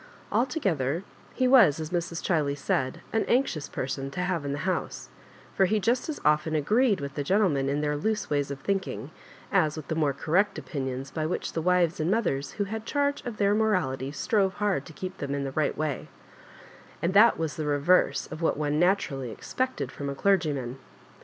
Altogether, he was, as Mrs. Chiley said, an anxious person to have in / the house ; for he just as oftoi agreed with the gentlemen in their loose ways of thinking, as with the more correct opinions by which the wives and mothers who had charge of Their morality strove hard to keep them in the right way; and that was the reverse of what one naturally expected from a clergyman.